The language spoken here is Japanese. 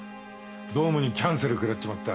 ドームにキャンセル食らっちまった。